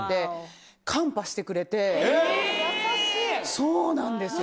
そうなんですよ。